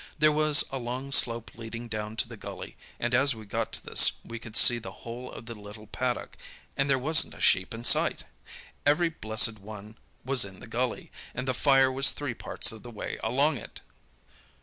There was a long slope leading down to the gully, and as we got to this we could see the whole of the little paddock, and there wasn't a sheep in sight. Every blessed one was in the gully, and the fire was three parts of the way along it!